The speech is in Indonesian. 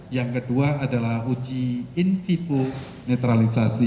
yang kedua adalah uji infipo netralisasi